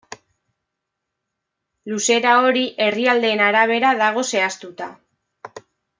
Luzera hori herrialdeen arabera dago zehaztuta.